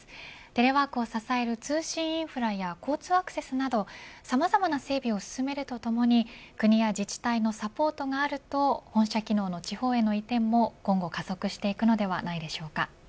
テレワークを支える通信インフラや交通アクセスなどさまざまな整備を進めるとともに国や自治体のサポートがあると本社機能の地方への移転も今後加速していくのではないでしょうか。